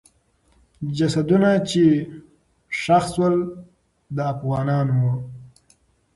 جسدونه چې ښخ سول، د افغانانو وو.